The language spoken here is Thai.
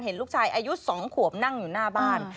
เห็นลูกชายอายุ๒ขวบนั่งอยู่หน้าบ้าน